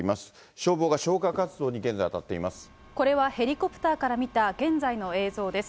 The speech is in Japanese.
消防が消火活動に現在、これはヘリコプターから見た現在の映像です。